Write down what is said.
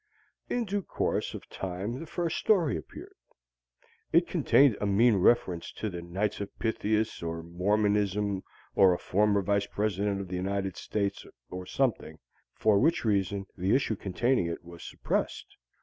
In due course of time the first story appeared. It contained a mean reference to the Knights of Pythias, or Mormonism, or a former Vice President of the United States, or something; for which reason the issue containing it was suppressed.